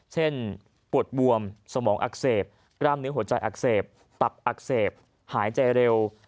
เช่นปวดบวมสมองอักเสบกล้ามเนื้อหัวใจอักเสบตับอักเสบหายใจเร็ว